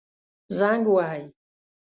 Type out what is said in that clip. زنګ ووهئ